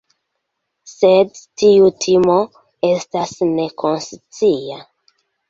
Sed tiu timo estas nekonscia.